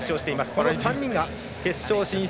この３人が決勝進出。